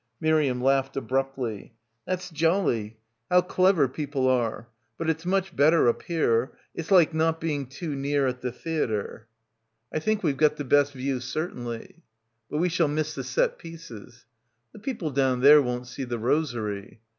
Miriam laughed abruptly. "That's jolly. How clever people are. But it's much better up here. It's like not being too near at the theatre." "I think we've got the best view certainly." — 257 — PILGRIMAGE * "But we shall miss the set pieces." "The people down there won't see the rosary."